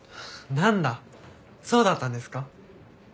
そうだったんですか。